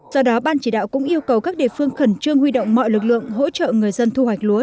do đó ban chỉ đạo cũng yêu cầu các địa phương khẩn trương huy động mọi lực lượng hỗ trợ người dân thu hoạch lúa